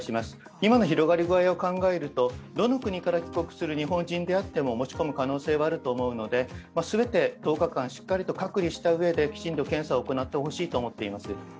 今の広がり具合を考えると、どの国から帰国する日本人であっても持ち込む可能性はあると思うのですべて１０日間しっかりと隔離した上できちんと検査を行ってほしいと思っています。